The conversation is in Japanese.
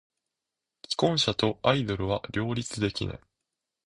既婚者とアイドルは両立できない。